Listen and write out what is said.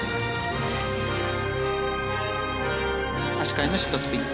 足換えのシットスピン。